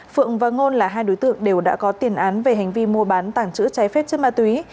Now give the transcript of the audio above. phượng và ngôn là hai đối tượng đều đã có tiền án về hành vi mua bán tảng chữ trái phép chất ma túy